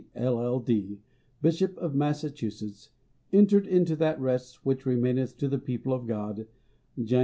LL.D., Bishop of Massachusetts, entered into that rest which remaineth to the people of God, Jan.